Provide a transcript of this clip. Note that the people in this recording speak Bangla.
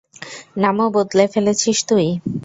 নামও বদলে ফেলেছিস তুই?